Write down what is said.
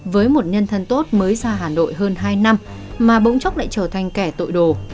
với một nhân thân tốt mới ra hà nội hơn hai năm mà bỗng chốc lại trở thành kẻ tội đồ